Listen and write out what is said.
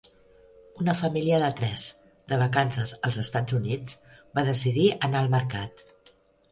Una família de tres, de vacances als Estats Units, va decidir anar al mercat.